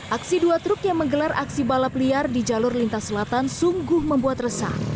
aksi dua truk yang menggelar aksi balap liar di jalur lintas selatan sungguh membuat resah